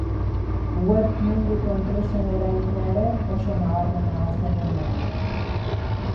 Web munduko enpresen eragina ere oso nabarmena da zerrendan.